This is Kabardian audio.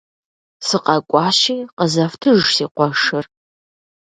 СыкъэкӀуащи, къызэфтыж си къуэшыр.